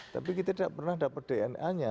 tapi kita tidak pernah dapat dna nya